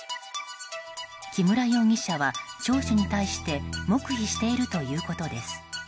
木村容疑者は、聴取に対して黙秘しているということです。